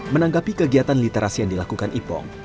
menanggapi kegiatan literasi yang dilakukan ipong